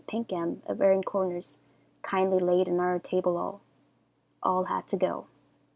Pinkham of Erin Corners kindly laid on our table all, all had to go.